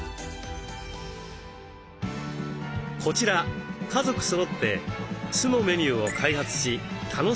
こちら家族そろって酢のメニューを開発し楽しんでいます。